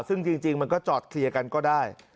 ซึ่งจริงมันก็จอดเคลียร์กันก็ได้